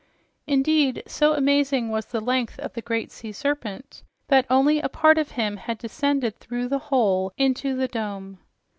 Indeed, so amazing was the length of the great sea serpent that only a part of him had descended through the hole into the dome.